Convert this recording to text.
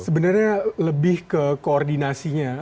sebenarnya lebih ke koordinasinya